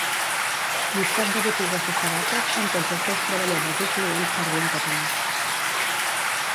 Llistat de botigues de sabates on tots els seus treballadors i clients parlin català